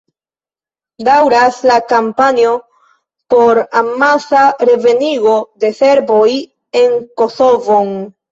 Daŭras la kampanjo por amasa revenigo de serboj en Kosovon.